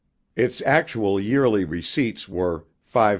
Its actual yearly receipts were $5,142.